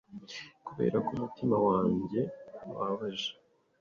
Kuberako umutima wanjye wababaje